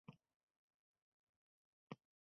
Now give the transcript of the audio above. har kelishida katta ona ko'ngli yanada iliy boshladi.